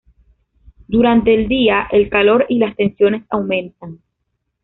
Durante el día, el calor y las tensiones aumentan.